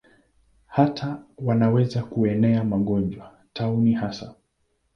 Hata wanaweza kuenea magonjwa, tauni hasa.